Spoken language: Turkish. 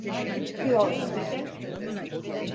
Çıkıyorsun.